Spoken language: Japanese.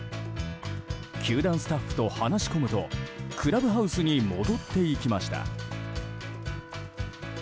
球団スタッフと話し込むとクラブハウスに戻っていきました。